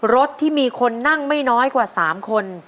รถที่มีคนนั่งไม่น้อยกว่า๓คน